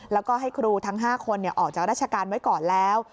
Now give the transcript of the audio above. แล้วก็ให้ครูทั้ง๕คนออกจากราชการไว้ก่อนแล้ว